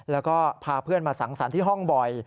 แล้วก็พาเพื่อนมาสังสรรค์ที่ห้องบ่อย